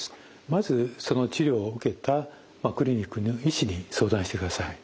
まずその治療を受けたクリニックの医師に相談してください。